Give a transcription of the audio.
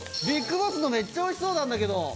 ＢＩＧＢＯＳＳのめっちゃおいしそうなんだけど！